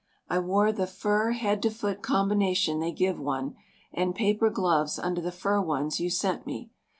I wore the fur head to foot combination they give one and paper gloves under the fur ones you sent me.